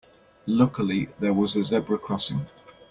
Luckily there was a zebra crossing.